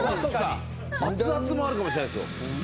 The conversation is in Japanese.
熱々もあるかもしれないですよ。